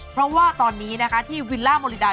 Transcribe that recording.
เพราะว่าตอนนี้นะคะที่วิลล่าโมริดา